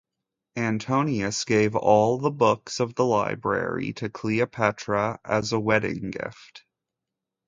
Antonius gave all the books of the library to Cleopatra as a wedding gift.